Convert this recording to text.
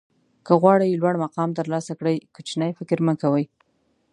که غواړئ لوړ مقام ترلاسه کړئ کوچنی فکر مه کوئ.